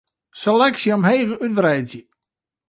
Seleksje omheech útwreidzje.